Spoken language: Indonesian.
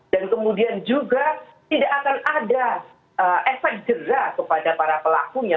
dan kemudian juga tidak akan ada efek jerah kepada para pelakunya